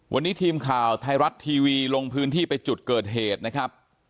วันนี้ทีมข่าวไทยรัฐทีวีลงพื้นที่ไปจุดเกิดเหตุนะครับ